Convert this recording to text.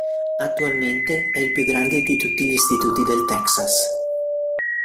Attualmente è il più grande di tutti gli istituti del Texas.